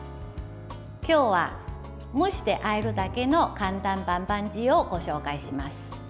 今日は蒸してあえるだけのかんたんバンバンジーをご紹介します。